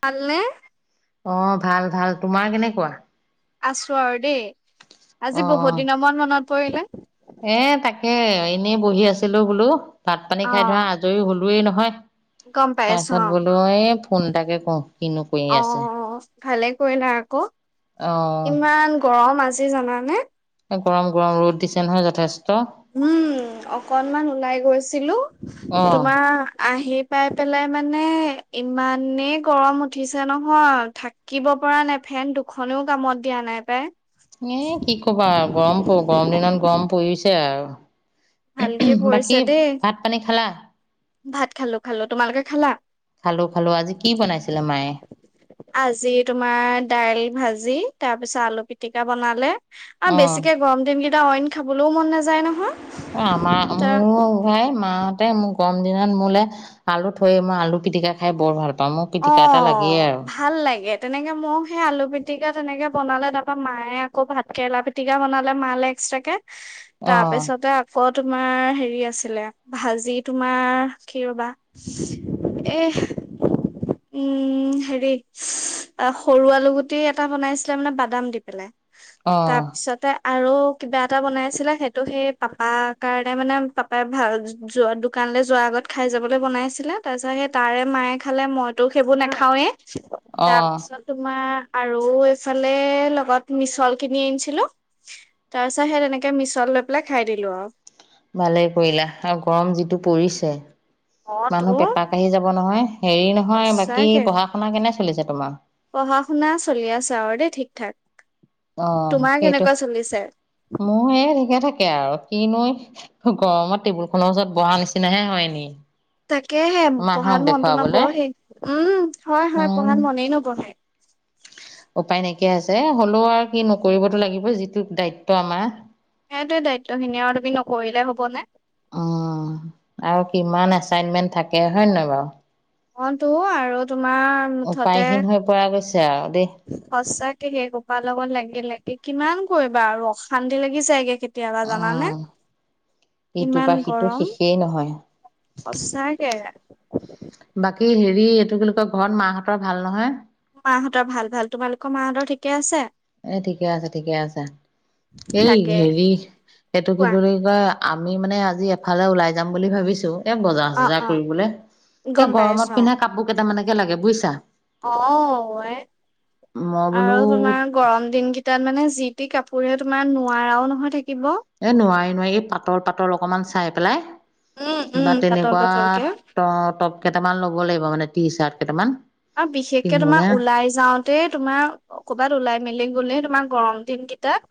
ভালনে? অ ভাল ভাল তোমাৰ কেনেকুৱা? আছো আৰু দেই, আজি অ' বহুত দিনৰ মন মনত, পৰিলে? এ তাকে এনেই বহি আছিলো বোলো। ভাত - পানী খাই ধৰা অ' আজৰি হ'লো। ৰুৱেই নহয়। গম পাইছো তাৰপিছত অ'। বোলো এই ফোনটাকে কৰো কিনো কৰি আছে। অ' ভালে কৰিলা আকৌ। অ' ইমান গৰম আজি জানানে? গৰম গৰম ৰ'দ দিছে নহয় যথেষ্ট। উম অকনমান ওলাই গৈছিলো অ' তোমাৰ আহি। পাই পেলাই মানে ইমানেই, গৰম উঠিছে নহয় থাকিব পৰা নাই ফেন দুখনেও কামত দিয়া নাই পাই। এ কি কবা গৰম প গৰম দিনত গৰম পৰিছে আৰু ভালকে অ পৰিছে বাকী দেই। ভাত পানী খালা ভাত খালো খালো তোমালোকে খালা খালো খালো আজি কি বনাইছিলে মায়ে আজি তোমাৰ দাইল ভাজি তাৰপিছত আলু পিটিকা বনালে অ বেছিকে গৰম দিম কি প অইন খাবলৈও মন নাযায় নহয় অ আমাৰ তাৰ মোৰ উভাই মাহঁতে মোৰ গম দিনত মোলে আলু থৈ মই আলু পিটিকা খাই বৰ ভাল পাওঁ মোৰ অ পিটিকা এটা লাগেই আৰু ভাল লাগে তেনেকে ময় সেই আলু পিটিকা তেনেকে বনালে তাৰ পৰাা মায়ে আকৌ ভাত কেেৰেলা পিটিকা বনালে মালে এক্সট্ৰাকে অ তাৰপিছতে আকৌ তোমাৰ হেৰি আছিলে ভাজি তোমাৰ কি ৰবা এ উম হেৰি সৰু আলু গুটি এটা বনাইছিলে মানে বাদাম দি পেলাই অ তাৰপিছতে আৰু কিবা এটা বনাইছিলে সেইটো সেই পাপাৰ কাৰণে মানে পাপাই ভ যোৱা দোকানলৈ যোৱাৰ আগত খাই যাবলৈ বনাইছিলে তাৰপিছত সেই তাৰে মায়ে খালে মই তোক সেইবোৰ নাখাৱে অ তাৰপিছত তোমাৰ আৰু এইফালে লগত মিছল কিনি আনিছিলো তাৰপিছত সেই তেনেকে মিছল লৈ পেলাই খাই দিলো আৰু ভালেই কৰিলা আৰু গৰম যিটো পৰিছে অ মানুহ তোৰ পেপা কাঢ়ি যাব নহয় হেৰি নহয় বাকী সঁচাকে পঢ়া শুনা কেনে চলিছে তোমাৰ পঢ়া শুনা চলি আছ আৰু দেই ঠিক ঠাক অ তোমাৰ সেইটো কেনেকুৱা চলিছে মোৰ এই কে থাকে তাকে আৰু কি নৈ গৰমত টেবুল খনৰ ওচৰত বহা নিচিনাহে হয়নি তাকেহে পঢ়াত মনতো নবেই উম হয় হয় পঢ়াত উম মনেই নবঢ়ে উপায় নাইকিয়া আছে হলেও আৰু কি নকৰিবতো লাগিব যিটো দায়িত্ব আমাৰ সেইটয়ে দায়িত্বখিনি আৰু তুমি নকৰিলে হ'বনে উ আৰু কিমান এচাইনমেন্ট থাকে হয়ে নহয় বাৰু অ তো আৰু উপায়হীন হৈ পৰা গৈছে আৰু দেই সঁচা ঠে গোপাল লগৰ লাগিল লাগে কিমান কৰিবা আৰু অশান্তি লাগি যায়গে কেতিয়াবা জানানে উম ইটোৰ ইমান পৰা সিটো গৰম শেষেই নহয় সচাকে বাকী হেৰি এইটো কি কয় ঘৰত মাহঁতৰ ভাল নহয় মাহঁতৰ ভাল ভাল তোমালোকৰ মাহঁতৰ ঠিকে আছে এ ঠিকে আছে ঠিকে আছে এই তাকে হেৰি এইটো কি কোৱা বুলি কয় আমি মানে আজি এফালে ওলাই যাম বুলি ভাবিছোঁ এ বজাৰ অ চজাৰ অ কৰিবলে গম এই গৰমত পাইছো পিন্ধা কাপোৰ কেইটামানকে লাগে বুজিছা অ অ এ মই বোলো দিনকেইটাত মানে যি টি কাপোৰে তোমাৰ নোৱাৰাও নহয় থাকিব এ নোৱাৰি নোৱাৰি এই পাতল পাতল অকমান চাই পেলাই উম উম বা পাতল পাতলকে তেনেকোৱা ত কেইটামান ল'ব লাগিব মানে টি চাৰ্ট কেইটান অ বিশেষকে তোমাৰ ওলাই যাওঁতে তোমাৰ কৰ'বাত ওলাই মেলি গলে তোমাক গৰম দিন কিতাত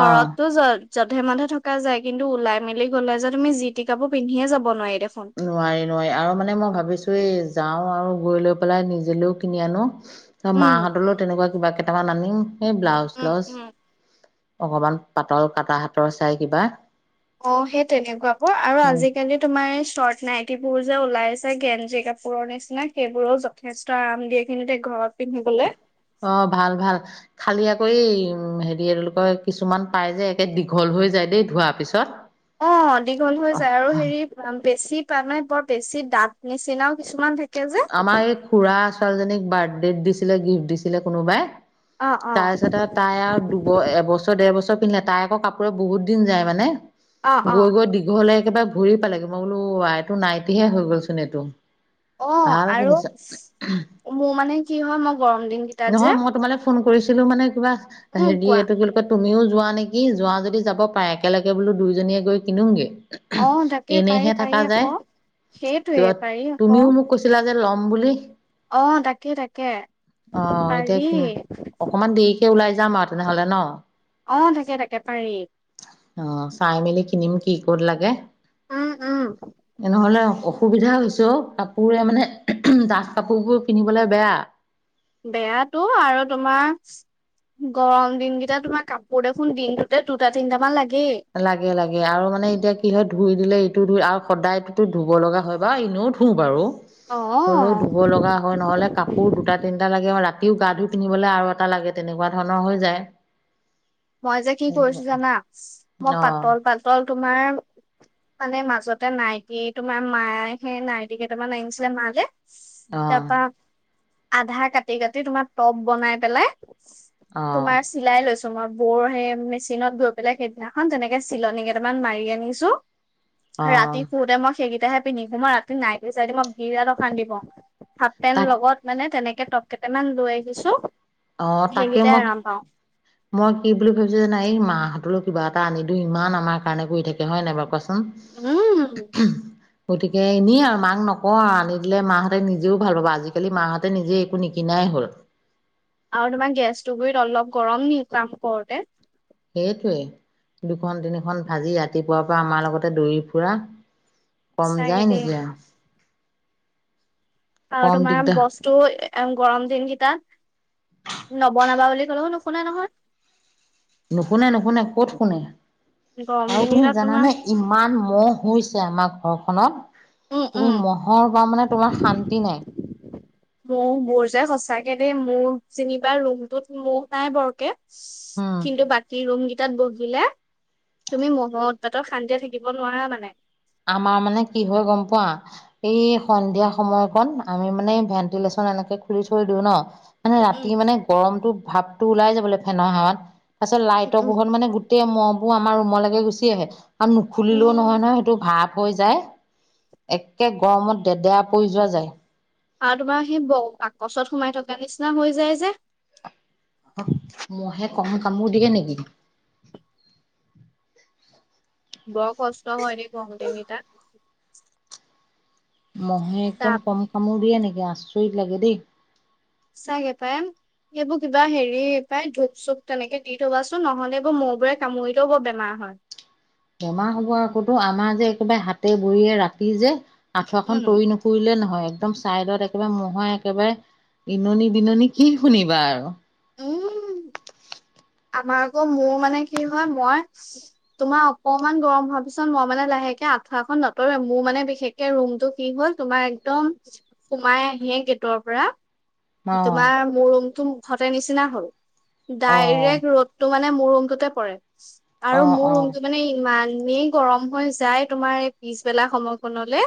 অ জল জধে মধে থকা যায় কিন্তু ওলাই মিলি গ'লে যে তুমি জি তি কাপোৰ পিন্ধিয়ে যাব নোৱাৰি দেখোন নোৱাৰি নোৱাৰি আৰু মানে মই ভাবিছো এই যাওঁ আৰু ৰি লৈ পেলাই নিজিলেও কিনি আনো ত উম মাহঁতলৈও তেনেকোৱা কিবা কেইটামান আনিম এই ব্লাউজ উম চেলাউজ উম অকমান পাতল কটা হাতৰ চাই কিবা অঁ সেই তেনেকোৱা ক আৰু উম আজিকালি তোমাৰ চৰ্ট নাইটীবোৰ যে ওলাইছে গেঞ্জি কাপোৰৰ নিচিনা সেইবোৰো যথেষ্ট আৰাম দিয়ে কিন্তু ঘৰত পিন্ধিবলে অঁ ভাল ভাল খালি আকৌ হেৰি কি কয় কিছুমান পাই যে একে দীঘল হৈ যায় দেই ধোৱা পিছত অঁ দীঘল হৈ যায় আৰু হেৰি বেছি মে বৰ বেছি দাঁত নিচিনাও কিছুমান থাকে যে আমাৰ এই খুৰা ছোৱালীজনীক বাৰ্থডে দিছিলে গিফ্ট দিছিলে কোনোবাই অ অ তাৰপিছত আৰু তাই আৰু দুব এবছৰ ডেৰ বছৰ পিন্ধিলে তাই আকৌ কাপোৰে বহুত দিন যায় মানে অ অ গৈ গৈ দীঘললেই কিবা ভৰি পালেগৈ মই বোলো এইটো নাইটিহে হৈ গ'লচোন এইটো অঁ ভাল আৰু কিনিছা মোৰ মানে কি হয় মই গৰম দিন কেইটাত নহয় যে মই তোমালৈ ফোন কৰিছিলো মানে কিবা উম হেৰি কোৱা এইটো কি বুলি কয় তুমিও যোৱা নেকি যোৱা যদি যাব পাৰে একেলগে বোলো দুইজনীয়ে গৈ কিনো গে অঁ! তাকে পাৰি পাৰি আকৌ, সেইটোৱে পাৰি তুমিও আকৌ। মোক কৈছিলা ল'ম বুলি। অ' তাকেই তাকে অ পাৰি। এতিয়া অকমান দেৰিকে ওলাই যাম আৰু তেনেহ'লে ন'। অ' তাকে তাকে পাৰি। অ' চাই মেলি কিনিম কি, ক'ত লাগে। উম উম তেনেহ'লে অসুবিধা হৈছে অ'! কাপোৰে মানে, ডাঠ কাপোৰবোৰ পিন্ধিবলৈ বেয়া। বেয়াটো আৰু তোমাৰ, গৰম দিনকেইটা তোমাৰ কাপোৰ দেখোন দিনটোতে দুটা তিনটামান লাগে। লাগে লাগে আৰু মানে এতিয়া কি হয় ধুই দিলে ইটো ধুই আৰু সদায়টোতো ধুব লগা হয় বাও এনেও ধুওঁ বাৰু। অ হ'লেও ধুব লগা হয়। নহ'লে কাপোৰ দুটা তিনটা লাগে অ' ৰাতি। ৰাতিও গা ধুই পিন্ধিবলৈ আৰু এটা লাগে তেনেকুৱা ধৰণৰ হৈ যায়। মই যে কি সেইটো কৰিছোঁ জানা! মই অ পাতল পাতল তোমাৰ মানে, মাজতে নাইটি, তোমাৰ মায়ে সেই নাইটি কেইটামান আনিছিলে মালে। অঁ! তাৰপা আধা কাটি, কাটি তোমাৰ টপ বনাই পেলাই অ তোমাৰ চিলাই লৈছোঁ। তোমাৰ বৌৰ সেই মেচিনত গৈ পেলাই সেইদিনাখন তেনেকে চিলনী কেইটামান মাৰি আনিছোঁ। অ ৰাতি শোতে মই সেইকেই তেতিয়াহে পিন্ধি শুও। মই ৰাতি নাইটি চাইটি মই বিৰাত অশান্তি পাওঁ। হাফ পেন্ট তাক লগত মানে, তেনেকে টপ কেইটামান লৈ আনিছোঁ। অ' তাকে মই, মই কি বুলি ভাবিছোঁ জানা! এই মাহঁতলেও কিবা এটা আনি দিও, ইমান আমাৰ কাৰণে কৰি থাকে হয় নাই বাৰু কোৱাচোন। ন' উম হু! গতিকে, এনেই আৰু মাক নকওঁ আৰু আনি দিলে মাহঁতে নিজেও ভাল পাব। আজিকালি মাহঁতে নিজে একো নিকিনাই হ'ল। আৰু তোমাৰ গেছটো গুৰিত অলপ গৰম নি কাম কৰোঁতে। সেইটোৱেই দুখন তিনিখন ভাজি ৰাতিপুৱাৰ পৰা আমাৰ লগতে দৌৰি ফুৰা কম চাগে যায় দেই নেকি অ'। আৰু তোমাৰ দিগদাৰ বস্তু এ গৰম দিন কেইটাত নবনাবা বুলি ক'লেও নুশুনা নহয়! নোশুনে নোশুনে। ক'ত শুনে? গৰম আৰু তুমি দিনকেইটাত তোমাৰ জানাানে ইমান মহ হৈছে। ছে আমাৰ ঘৰখনত। উম উম তুমি মহৰ পা মানে তোমাৰ শান্তি নাই। মহ মোৰ যে সচাকে দেই মোৰ যেনিবা ৰুমটোত মহ নাই বৰকে। উম। কিন্তু বাকী ৰুম কি। টাত বহিলে তুমি মহৰ উৎপাতত শান্তিয়ে থাকিব নোৱাৰা মানে। আমাৰ মানে কি হয় গম পোৱা এই সন্ধিয়া সময়কণ আমি মানে ভেণ্টিলেশ্যন এনেকে খুলি থৈ দিওঁ ন। মানে উম ৰাতি উম মানে গৰমটো ভাৱটো ওলাই যা য় বোলে ফেনৰ হাৱাত। পাছত লাইটৰ উম পোহত মানে গোটেই মহ। বোৰ আমাৰ ৰুমলৈকে গুচি আহে আৰু নুখুলিলেও উম নহয় নহয় সে। ইটো ভাপ হৈ যায় একে গৰমত দেদেৰা পৰি যোৱা যায়। আৰু তোমাৰ সেই ব বাকচত সোমাই থকা নিচিনা হৈ যায় যে। মহে কম কামোৰ দিয়ে নেকি। বৰ কষ্ট হয় দেখো। কমতি নি তাত। চিক। মহে একদম কম কামোৰ দিয়ে নেকি। আচৰিত লাগে দেই। চাগে পাই। এইবোৰ কিবা হেৰি পাই ধূপ চুপ তেনেকে দি থবাচোন নহলে এইবোৰ মৌ বোৰে কামুৰিতেও বৰ বেমাৰ হয়। বেমাৰ হ'ব আকতো আমাৰ যে একেবাৰে হাতে ভৰিয়ে ৰাতি যে আঁঠুৱাখন উম তৰি নটৰিলে নহয়। একদম চাইডত একেবাৰে মহৰ একেবাৰে ইননি বিননি কি শুনিবা আৰু। উম। আমাৰ আকৌ মোৰ মানে কি হয় মই তোমাৰ অকমান গৰম হোৱাৰ পিছত মই মানে লাহেকে আঠুৱাখন নতৰোৱে মোৰ মানে বিশেষকে ৰুমটো কি হল তোমাৰ একদম সোমাই আহে গেটৰ পৰা। অ তোমাৰ মোৰ ৰুমতো মুখতে। তাই নিচিনা হল। ডায়ৰেক অ ৰ'দটো। মানে মোৰ ৰুমটোতে পৰে। আৰু অ মোৰ অ ৰুমটো মানে ইমান। এনেই গৰম হৈ যায় তোমাৰ এই পিছবেলা সময়কনলে।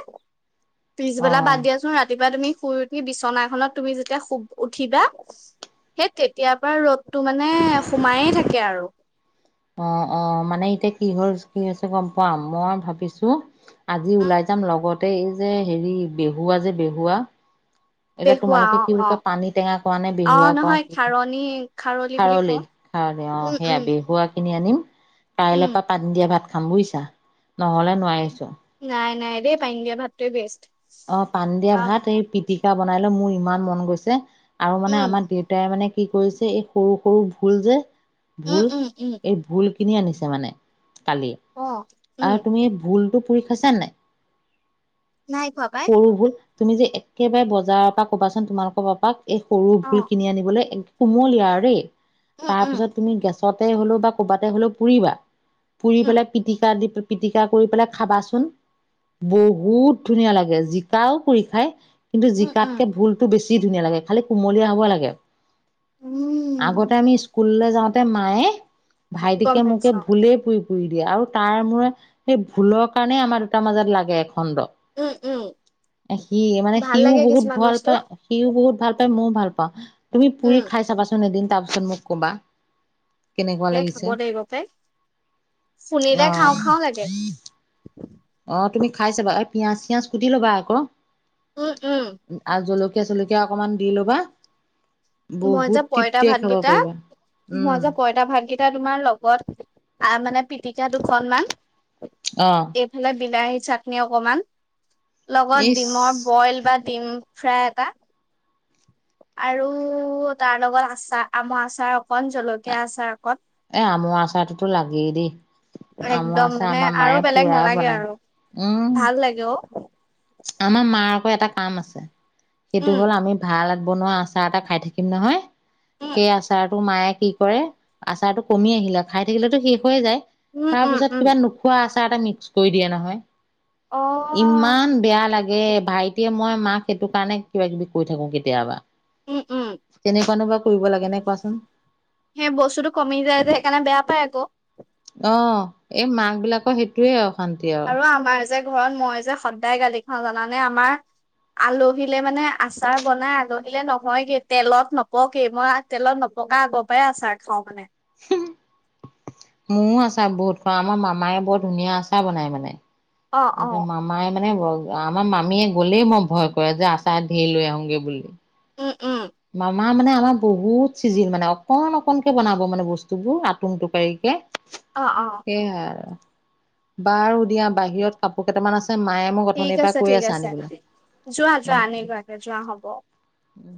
অ পিছবেলা বাদ দিয়াচোন ৰাতিপুৱা তুমি। শুই উঠি বিচনাখনত তুমি যদি। উঠিবা সেই তেতিয়াৰ পৰা ৰ'দটো মানে সোমায়ে থাকে আৰু। অ অ মানে এতিয়া কি-কি হৈছে গম পোৱা? মই ভাবিছো আজি ওলাই যাম লগতে এই যে হেৰি বেহুৱা যে বেহুৱা। এতিয়া বেহুৱা তোমালোকে কি বুলি অ অ কয় পানী টেঙা কোৱা নে অ', বেহুৱা কোৱা নহয় কি কোৱা খাৰণী বুলি খাৰলি কওঁ। খাৰলি অ উম, সেয়া উম, বেহুৱা কিনি আনিম কাইলৈ উম, পৰা পানী দিয়া ভাত। খাম বুইছা নহ'লে নোৱাৰিছো। নাই নাই দেই, পানী দিয়া ভাতটোৱে বেষ্ট। অ, পানী দিয়া আহ, ভাত এই পিটিকি। কা বনাই লৈ মোৰ ইমান মন গৈছে,। আৰু মানে উম, আমাৰ দেউতাই মানে। কি কৰিছে এই সৰু সৰু ভুল যে। উম, ভুল উম, উম, এই ভুল। কিনি আনিছে মানে। কালি অ', উম, আৰু তুমি ভুলটো। পুৰি খাইছানে নাই? নাই খোৱা পাই। সৰু ভুল তুমি যে, একেবাৰে বজাৰৰ পৰা কবাচোন তোমালোকৰ পাপাক। এই সৰু ভুল অ', কিনি আনিবলৈ এক। কুমলীয়াৰে। উম, উম, তাৰপিছত তুমি গেছত। গেছতে হ'লেও বা ক'ৰবাতে হলেও পুৰিবা। পুৰি উম, পেলাই পিটিকা দি। পিটিকা কৰি পেলাই খাবাচোন বহুত। ধুনীয়া লাগে জিকাও পুৰি খাই। কিন্তু উম, উম, জিকাতকে ভুলটো বেছি। ছি ধুনীয়া লাগে খালি কুমলীয়া হ'ব লাগে। উম, আগতে আমি। স্কুললৈ যাওঁতে মায়ে। গম ভাইটিকে মোকে পাইছো অ', ভুলেই। দিয়ে আৰু তাৰ মৰে সেই ভুলৰ কাৰণে আমাৰ দুটাৰ মাজত লাগে এখণ্ড। উম, উম, সি মানে ভাল সিও লাগে বহুত কিছুমান ভাল বস্তু। পায়, সিও বহুত। ভাল পাই মইও ভাল পাওঁ। তুমি পুৰি উম, খাই চাবাচোন এদিন। তাৰ পাছত মোক কবা। কেনেকুৱা তে খাব লাগিছে লাগিব পাই অ শুনিলে খাওঁ খাওঁ লাগে। অ, তুমি খাই চাবা এই পিয়াজ চিয়াজ কুতি ল'বা আকৌ। উম উম। আৰু জলকীয়া অকণমান দি ল'বা। মই বহুত যে পইতা তৃপ্তিয়ে খাব ভাতকেইটা পাৰিবা। মই উম যে পইতা ভাতকেইটা। এতিয়া তোমাৰ লগত আ মানে পিটিকা দুখন মান অ' এইফালে বিলাহী। চাটনি অকমান লগত ইচ ডিমৰ বইল বা দিম ফ্ৰাই এটা আৰু তাৰ লগত আচাৰ আমৰ আচাৰ অকন জলকীয়া আচাৰ। অকণ এ আমৰ আচাৰটোতো লাগেই দেই আমৰ একদম আচাৰ মানে আমাৰ আৰু মায়ে বেলেগ পুৰা নালাগে আৰু বনায় উম। ভাল লাগে অ আমাৰ মাৰ আকৌ এটা কাম আছে। সেইটো উম হ'ল আমি ভাল। বনোৱা আচাৰ এটা খাই থাকিম নহয়। উম সেই আছাৰ তোৰ মায়ে কি কৰে আচাৰটো কমি আহিলে খাই থাকিলেতো শেষ হৈয়ে যায়। উম তাৰ উম পিছত উম কিবা নোখোৱা আছে। তাতে মিক্স কৰি দিয়ে নহয়। অ ইমান বেয়া লাগে ভাইটিয়ে মই মাক সেইটো কাৰণে কিবা কিবি কৈ থাকো কেতিয়াবা। উম উম তেনেকুৱানো বা কৰিব লাগে নে কোৱাচোন। সেই বস্তুতটো কমি যায় যে সেইকাৰণে বেয়া পায় আকৌ। অ', এই মাক বিলাকৰ সেইটোয়ে অ', শান্তি আৰু যে ঘৰত মই যে সদায় গালি খাওঁ জানানে আমাৰ আলহীলৈ মানে আচাৰ বনাই আলহীলৈ নহয়গে তেলত নপকে মই তেলত নপকা আগৰ পৰাই আচাৰ খাওঁ মানে। হম্', মোৰো আচাৰ বহুত খাওঁ। আমাৰ মামায় বৰ ধুনীয়া আচাৰ বনাই মানে। অ ', মোৰ মামায় মানে মানে আমাৰ মামীয়ে গলেই মই ভয় কৰে যে আচাৰ ঢেৰ লৈ আহোগে বুলি। উম উম মামা আমাৰ মানে আমাৰ বহুত চিজিল মানে অকনণ অকনকে বনাব মানে বস্তু বোৰ আটুং টোকাৰি কে। অ অ সেই আৰু বাৰু দিয়া বাহিৰত কাপোৰ কেইটামান আছে। মায়ে মোক ঠিক অথনিৰ পৰা আছে- কৈ ঠিক আছে আনিবলৈ। যোৱা যোৱা উম, আনি উম, লোৱাগে যোৱা হ'ব। উম।